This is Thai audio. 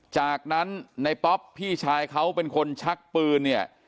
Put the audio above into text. จากนั้นในป๊อปพี่ชายเขาเป็นคนชักปืนเนี่ย